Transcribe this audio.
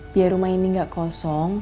biar rumah ini nggak kosong